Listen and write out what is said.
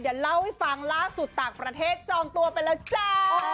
เดี๋ยวเล่าให้ฟังล่าสุดต่างประเทศจองตัวไปแล้วจ้า